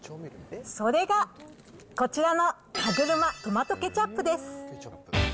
それが、こちらのハグルマトマトケチャップです。